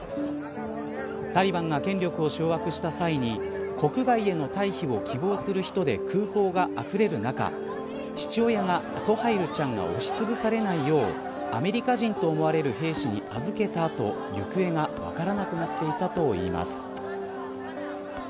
タリバンが権力を掌握した際に国外への退避を希望する人で空港があふれる中、父親がソハイルちゃんを押しつぶされないようアメリカ人と思われる兵士に預けた後行方が分からなくなっていたといいます。